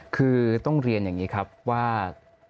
คือต้องเรียนอย่างนี้ครับว่า